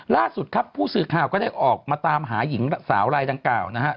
ล่าสุดครับผู้สื่อข่าวก็ได้ออกมาตามหาหญิงสาวลายดังกล่าวนะฮะ